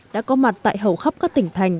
đã có mặt tại hầu khắp các tỉnh thành